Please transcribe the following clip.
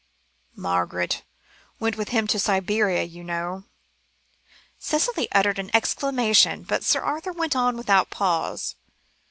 Margaret went with him to Siberia, you know." Cicely uttered an exclamation, but Sir Arthur went on without pause.